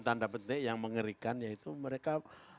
tanda petik yang mengerikan yaitu mereka